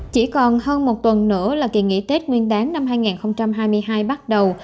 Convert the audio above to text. chỉ còn hơn một tuần nữa là kỳ nghỉ tết nguyên đáng năm hai nghìn hai mươi hai bắt đầu